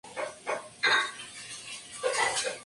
De niña estudió ballet en la escuela Freese-Baus.